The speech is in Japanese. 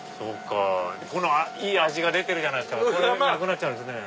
いい味が出てるじゃないですかこれなくなっちゃうんですね。